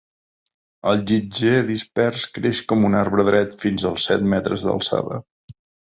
El gidgee dispers creix com un arbre dret fins als set metres d'alçada.